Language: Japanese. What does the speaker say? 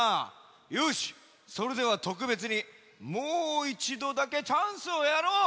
よしそれではとくべつにもういちどだけチャンスをやろう。